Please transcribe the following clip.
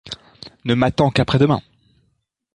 Ne m’attends qu’après-demain.